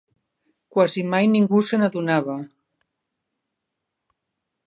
Quasi mai ningú se n'adonava